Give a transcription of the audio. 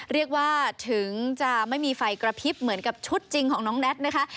เรียกว่าถึงจะไม่มีไฟกระพริบเหมือนกับชุดจริงของน้องแน็ตนะคะ